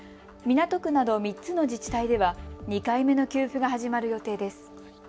港区など３つの自治体では２回目の給付が始まる予定です。